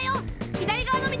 左側の道！